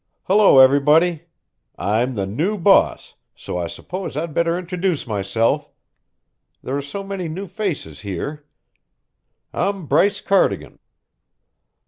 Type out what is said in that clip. Hello, everybody. I'm the new boss, so I suppose I'd better introduce myself there are so many new faces here. I'm Bryce Cardigan."